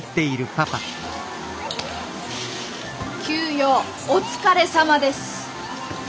急用お疲れさまです。